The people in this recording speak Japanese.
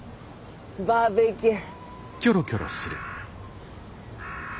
バーベキュー。